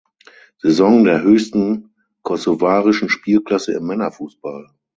Saison der höchsten kosovarischen Spielklasse im Männerfußball.